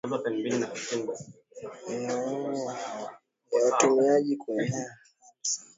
ya watumiaji Kuenea Ni hali ya kusambaa katika